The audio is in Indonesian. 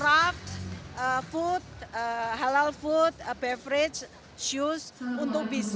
untuk mencari pilihan yang lebih baik